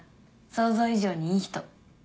想像以上にいい人。